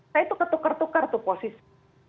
saya tuh ketukar tukar tuh posisi